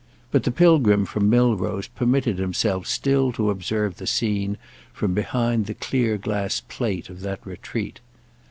But the pilgrim from Milrose permitted himself still to observe the scene from behind the clear glass plate of that retreat.